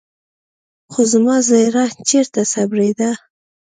خو زما زړه چېرته صبرېده.